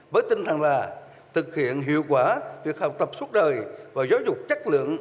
với tinh thần là thực hiện hiệu quả